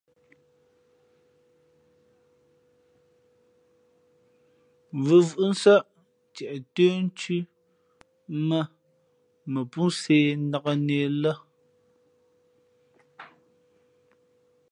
Vʉvʉ́ʼ nsάʼ ntieʼ ntə́nthʉ́ mα pō sē nnāk nehē lά.